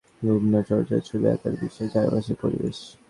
ইংরেজি সাহিত্যে লেখাপড়া করা লুবনা চর্যার ছবি আঁকার বিষয় চারপাশের পরিবেশ।